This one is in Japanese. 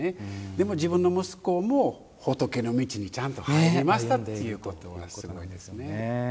でも自分の息子も仏の道にちゃんと入りましたということですね。